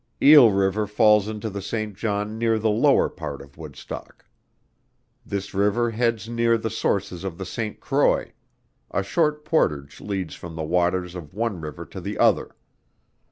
Eel river falls into the Saint John near the lower part of Woodstock. This river heads near the sources of the Saint Croix; a short portage leads from the waters of one river to the other.